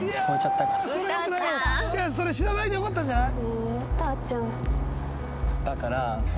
いやそれ知らないでよかったんじゃない？